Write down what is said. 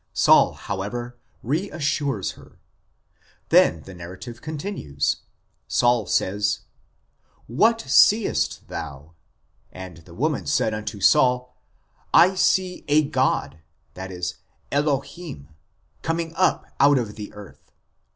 Saul, however, reassures her. Then the narrative continues ; Saul says :" What seest thou ? And the woman said unto Saul, I see a god (elohim) coming up out of the earth.